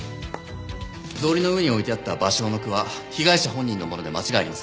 草履の上に置いてあった芭蕉の句は被害者本人のもので間違いありません。